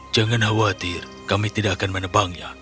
jangan khawatir kami tidak akan menebangnya